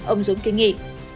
ông dũng kinh nghị